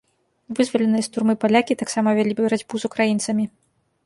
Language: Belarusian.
Вызваленыя з турмы палякі таксама вялі барацьбу з украінцамі.